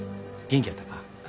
元気やったか？